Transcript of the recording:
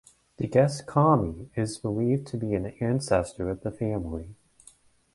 The guest kami is believed to be an ancestor of the family.